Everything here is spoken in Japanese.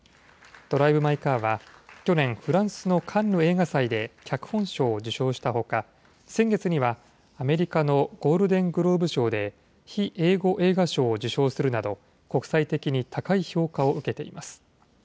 ドライブ・マイ・カーは、去年、フランスのカンヌ映画祭で脚本賞を受賞したほか、先月には、アメリカのゴールデングローブ賞で、非英語映画賞を受賞するなど、国際的に高い評価を受けています。